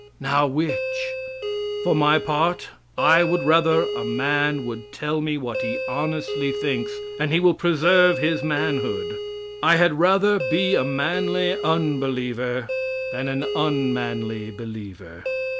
Now which? For my part I would rather a man would tell me what he honestly thinks, and he will preserve his manhood. I had rather be a manly unbeliever than an unmanly believer.